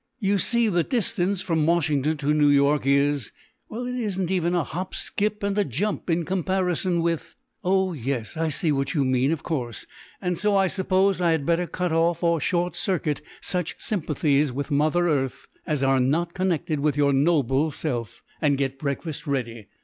You see the distance from Washington to New York is well, it isn't even a hop, skip and a jump in comparison with " "Oh yes, I see what you mean of course, and so I suppose I had better cut off or short circuit such sympathies with Mother Earth as are not connected with your noble self, and get breakfast ready.